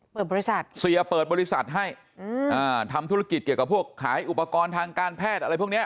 เปิดบริษัทเสียเปิดบริษัทให้ทำธุรกิจเกี่ยวกับพวกขายอุปกรณ์ทางการแพทย์อะไรพวกเนี้ย